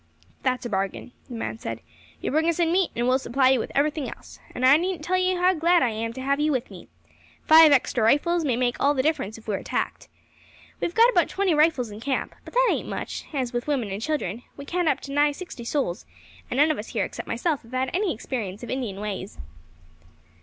"That's a bargain," the man said. "You bring us in meat, and we will supply you with everything else; and I needn't tell you how glad I am to have you with me. Five extra rifles may make all the difference if we are attacked. We have got about twenty rifles in camp; but that ain't much, as, with women and children, we count up to nigh sixty souls, and none of us here except myself have had any experience of Indian ways."